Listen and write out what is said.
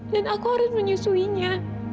dan aku harus menyusuinya